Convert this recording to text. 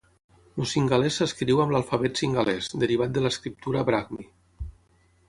El singalès s'escriu amb l'alfabet singalès, derivat de l'escriptura brahmi.